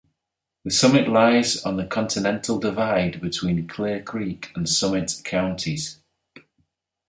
The summit lies on the Continental Divide between Clear Creek and Summit counties.